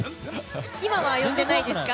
今は呼んでないですか？